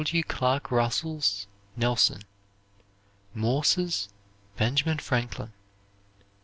W. Clark Russell's, "Nelson." Morse's, "Benjamin Franklin."